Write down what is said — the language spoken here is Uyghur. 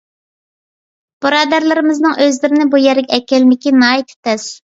بۇرادەرلىرىمىزنىڭ ئۆزلىرىنى بۇ يەرگە ئەكەلمىكى ناھايىتى تەس.